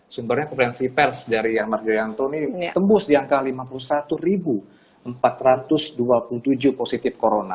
sumbernya konferensi pers dari ya marjoyanto ini tembus di angka lima puluh satu empat ratus dua puluh tujuh positif corona